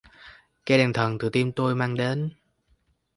Cây đèn thần từ tim tôi mang đến